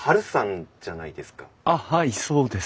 あっはいそうです。